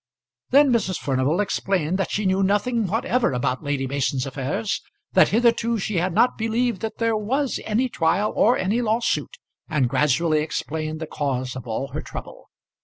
Then Mrs. Furnival explained that she knew nothing whatever about Lady Mason's affairs, that hitherto she had not believed that there was any trial or any lawsuit, and gradually explained the cause of all her trouble.